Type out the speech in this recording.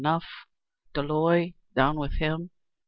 _ Enough!" "Doloi! Down with him!"